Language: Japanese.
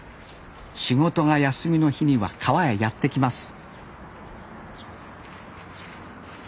仕事が休みの日には川へやって来ます